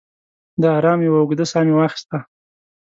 د ارام یوه اوږده ساه مې واخیسته.